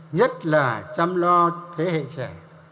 nhất là chăm lo thế hệ trẻ